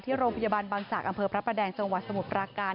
โรงพยาบาลบางศักดิ์อำเภอพระประแดงจังหวัดสมุทรปราการ